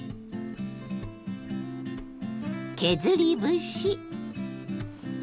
削り節。